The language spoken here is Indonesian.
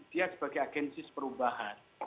dia sebagai agensis perubahan